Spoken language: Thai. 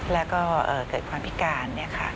แล้วก็เกิดความพิการ